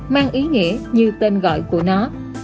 mang ý nghĩa như tên gọi của nó